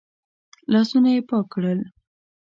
لاسونه يې پاک کړل.